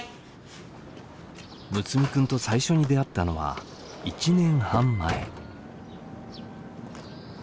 睦弥君と最初に出会ったのは１年半前。